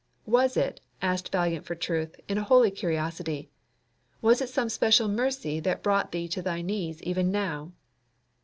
"Was it," asked Valiant for truth, in a holy curiosity, "was it some special mercy that brought thee to thy knees even now?"